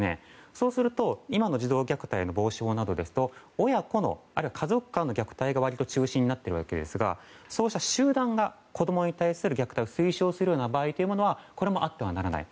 そうすると今の児童虐待の防止法などですと親子の、あるいは家族間の虐待が中心になっていますがそうした集団が子供に対する虐待を推奨する場合というのはこれもあってはならない。